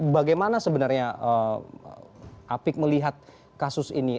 bagaimana sebenarnya apik melihat kasus ini